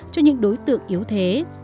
cho những đối tượng yếu thế